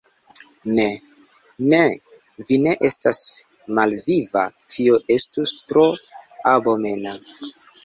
Ne, ne, vi ne estas malviva: tio estus tro abomena.